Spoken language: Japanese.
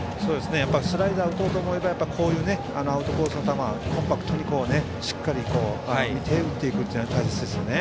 スライダーを打とうと思えばこういうアウトコースの球をコンパクトにしっかり見て打っていくのが大切ですね。